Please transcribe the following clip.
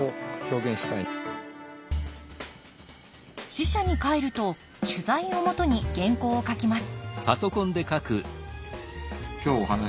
支社に帰ると取材を基に原稿を書きます